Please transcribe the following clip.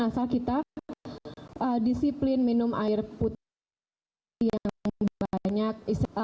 asal kita disiplin minum air putih yang banyak